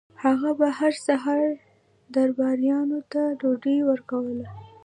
هغه به هر سهار درباریانو ته ډوډۍ ورکوله.